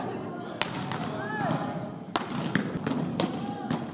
สุดท้ายสุดท้ายสุดท้าย